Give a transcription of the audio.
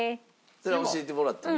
それは教えてもらってもいい？